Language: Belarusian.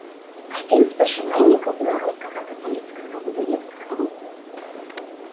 Адзін з пачынальнікаў беларускага каталіцкага выдавецкага руху.